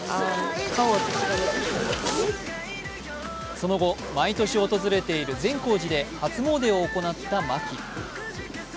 その後、毎年訪れている善光寺で初詣を行った牧。